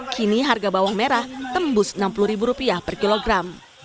kini harga bawang merah tembus rp enam puluh per kilogram